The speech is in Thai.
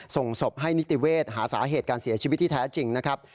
ส่งศพให้นิติเวศหาสาเหตุการเสียชีวิตที่แท้จริงนะครับ